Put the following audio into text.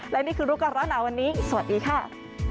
และนี่คือลูกการณ์ร้อนอาวันนี้สวัสดีค่ะ